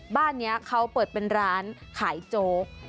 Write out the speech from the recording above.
บ้านนี้เขาเปิดเป็นร้านขายโจ๊ก